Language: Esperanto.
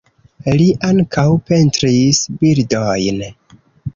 Li ankaŭ pentris bildojn.